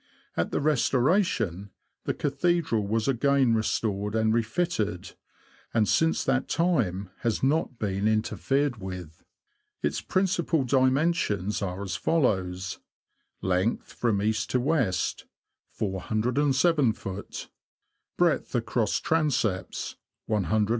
At the Restoration, the Cathedral was again restored and refitted, and since that time has not been interfered with. Its principal dimensions are as follows :— Length from east to west, 407ft. ; breadth across transepts, 178ft.